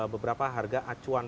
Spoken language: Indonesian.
beberapa harga acuan